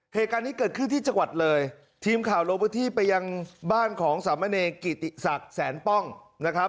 เหตุการณ์นี้เกิดขึ้นที่จังหวัดเลยทีมข่าวลงพื้นที่ไปยังบ้านของสามเณรกิติศักดิ์แสนป้องนะครับ